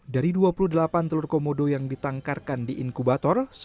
dari dua puluh delapan telur komodo yang ditangkarkan di inkubator